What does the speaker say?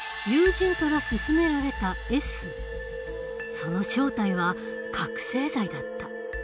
その正体は覚醒剤だった。